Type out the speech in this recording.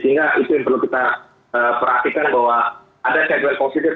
sehingga itu yang perlu kita perhatikan bahwa ada segmen positif